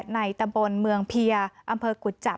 ในตะบลเมืองเพียร์อำเภอกุจจับ